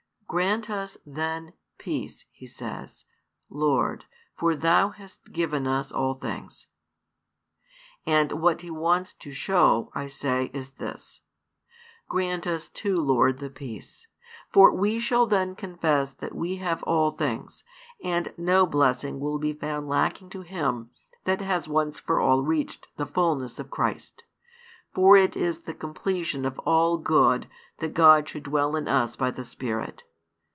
Grant us then peace, he says, Lord; for Thou hast given us all things. And what he wants to show, I say, is this: "Grant us too, Lord, the peace; for we shall then confess that we have all things, and no blessing will be found lacking to him that has once for all reached the fulness of Christ. For it is the completion of all good that God should dwell in us by the Spirit."